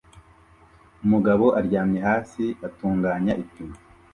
Umugabo aryamye hasi atunganya ipine